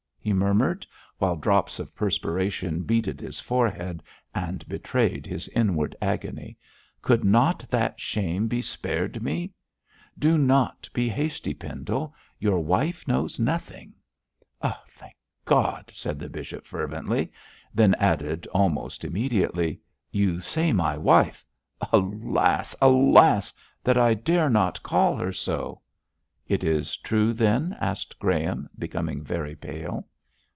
he murmured, while drops of perspiration beaded his forehead and betrayed his inward agony. 'Could not that shame be spared me?' 'Do not be hasty, Pendle, your wife knows nothing.' 'Thank God!' said the bishop, fervently; then added, almost immediately, 'You say my wife. Alas! alas! that I dare not call her so.' 'It is true, then?' asked Graham, becoming very pale.